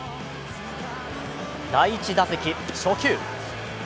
第１打席、初球。